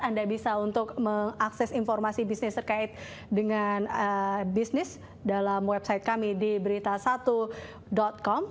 anda bisa untuk mengakses informasi bisnis terkait dengan bisnis dalam website kami di berita satu com